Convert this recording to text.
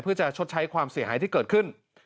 เพื่อจะชดใช้ความเสียหายที่เกิดขึ้น